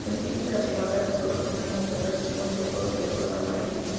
A principios de la primavera se producen muchos racimos de flores de color amarillo.